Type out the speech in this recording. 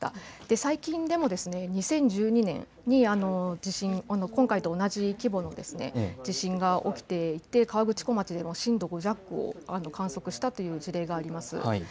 最近でも２０１２年に今回と同じ規模の地震が起きていて、河口湖町で震度５弱を観測したという事例があります。